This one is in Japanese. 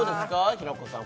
平子さん